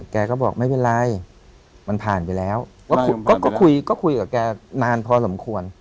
แกก็บอกไม่เป็นไรมันผ่านไปแล้วก็คุยก็คุยกับแกนานพอสมควร